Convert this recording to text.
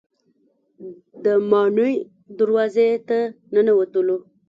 د ماڼۍ دروازې ته ننوتلو.